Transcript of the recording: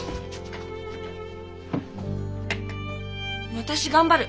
私頑張る。